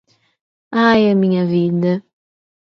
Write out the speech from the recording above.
Ai a minha vida...